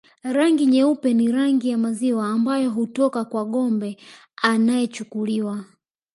Rangi nyeupe ni rangi ya maziwa ambayo hutoka kwa ngombe anayechukuliwa